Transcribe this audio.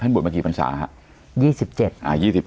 ท่านบวชมากี่ปัญญาสาลครับ